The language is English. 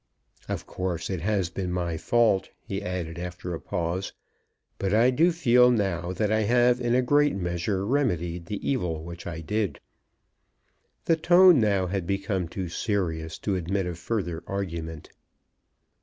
Of course it has been my fault," he added after a pause; "but I do feel now that I have in a great measure remedied the evil which I did." The tone now had become too serious to admit of further argument.